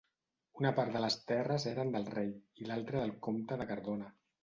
Una part de les terres eren del rei, i l'altra del comte de Cardona.